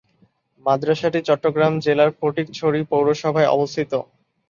মাদ্রাসাটি চট্টগ্রাম জেলার ফটিকছড়ি পৌরসভায় অবস্থিত।